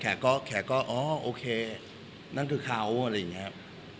แข่ก็แข่ก็อ๋อโอเคนั่นคือเขาอะไรเงี้ยฮะ